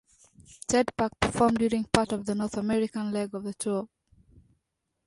Ted Park performed during part of the North American leg of the tour.